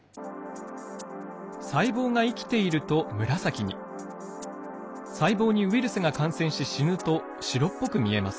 細胞が生きていると紫に細胞にウイルスが感染し死ぬと白っぽく見えます。